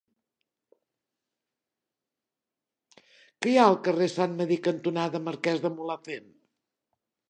Què hi ha al carrer Sant Medir cantonada Marquès de Mulhacén?